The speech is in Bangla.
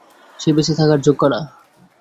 সে বেঁচে থাকার যোগ্য না।